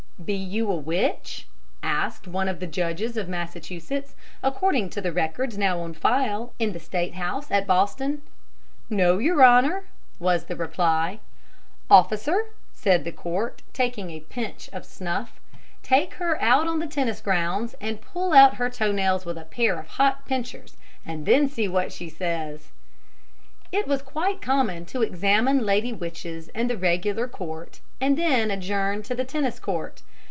"Be you a witch?" asked one of the judges of Massachusetts, according to the records now on file in the State House at Boston. "No, your honor," was the reply. "Officer," said the court, taking a pinch of snuff, "take her out on the tennis grounds and pull out her toe nails with a pair of hot pincers, and then see what she says." It was quite common to examine lady witches in the regular court and then adjourn to the tennis court.